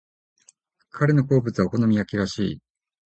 彼の好物はお好み焼きらしい。